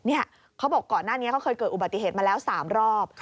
เขาบอกก่อนหน้านี้เขาเคยเกิดอุบัติเหตุมาแล้ว๓รอบ